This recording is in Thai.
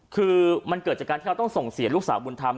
คือมันเกิดจากการที่เราต้องส่งเสียลูกสาวบุญธรรม